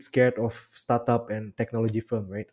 takut dengan startup dan teknologi bukan arief